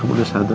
i can lebih baik